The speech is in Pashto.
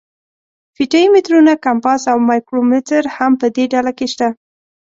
فیته یي مترونه، کمپاس او مایکرومتر هم په دې ډله کې شته.